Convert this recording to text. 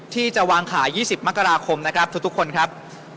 ที่จะวางขาย๒๐มกราคมนะครับทุกคนครับ